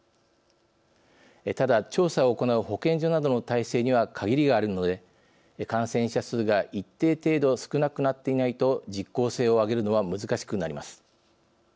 ただ調査を行う保健所などの体制には限りがあるので感染者数が一定程度少なくなっていないと実効性を上げるのは難しくなります。